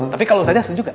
tapi kalo ustazah setuju gak